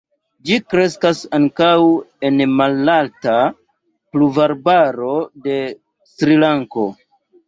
Ĝi kreskas ankaŭ en malalta pluvarbaro de Srilanko.